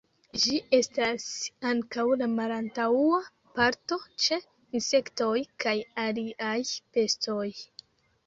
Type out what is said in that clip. Ĝi estas ankaŭ la malantaŭa parto ĉe insektoj kaj aliaj bestoj.